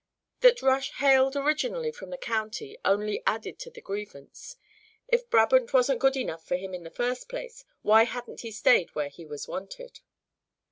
That Rush "hailed" originally from the county only added to the grievance. If Brabant wasn't good enough for him in the first place, why hadn't he stayed where he was wanted?